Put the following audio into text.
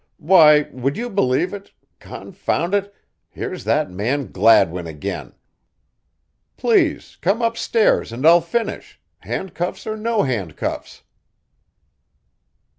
Why, would you believe it confound it, here's that man Gladwin again. Please come upstairs and I'll finish, handcuffs or no handcuffs."